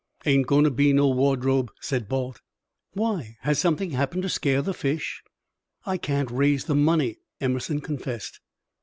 "Ain't going to be no wardrobe," said Balt. "Why? Has something happened to scare the fish?" "I can't raise the money," Emerson confessed.